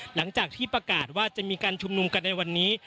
หลังจากที่ประกาศว่าจะมีการชุมนุมกันในวันนี้